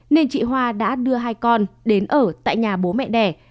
nên chị hoa đã đưa hai con đến ở tại nhà bố mẹ đẻ